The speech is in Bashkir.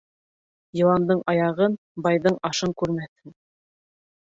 Йыландың аяғын, байҙың ашын күрмәҫһең.